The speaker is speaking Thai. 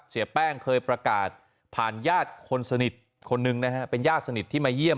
เสียแป้งเคยประกาศผ่านญาติคนสนิทคนหนึ่งนะฮะเป็นญาติสนิทที่มาเยี่ยม